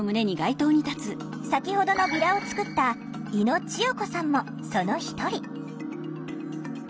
先ほどのビラを作った猪野千代子さんもその一人。